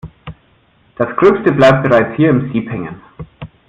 Das Gröbste bleibt bereits hier im Sieb hängen.